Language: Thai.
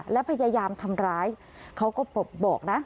และพยายามทำร้ายเขาก็บอกนะ